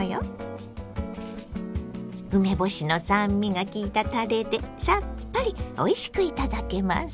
梅干しの酸味がきいたたれでさっぱりおいしくいただけます。